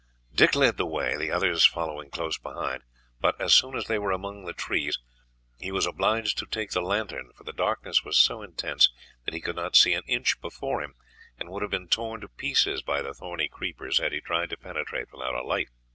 Dick led the way, the others following close behind, but as soon as they were among the trees, he was obliged to take the lantern, for the darkness was so intense that he could not see an inch before him and would have been torn to pieces by the thorny creepers had he tried to penetrate without a light.